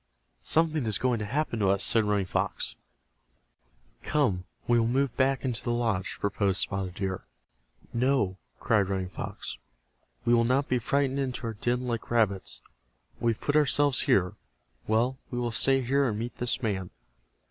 "Something is going to happen to us," said Running Fox. "Come, we will move back into the lodge," proposed Spotted Deer. "No!" cried Running Fox. "We will not be frightened into our den like rabbits. We have put ourselves here. Well, we will stay here and meet this man."